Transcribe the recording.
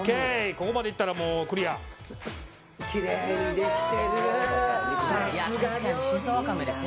ここまでいったらもうクリア料理人だな！